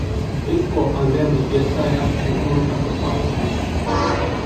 Eusko Alderdi Jeltzaleak egun horretan ospatzen du.